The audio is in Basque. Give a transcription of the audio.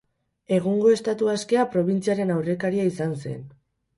Egungo Estatu Askea probintziaren aurrekaria izan zen.